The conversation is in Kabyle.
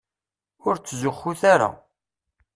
Ur ttzuxxut ara.